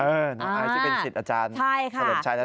น้องไอซ์เป็นชิดอาจารย์เฉลิมชายแล้วนะ